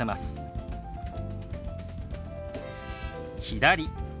「左」。